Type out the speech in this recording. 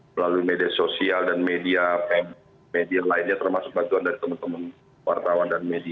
melalui media sosial dan media lainnya termasuk bagian dari teman teman wartawan dan media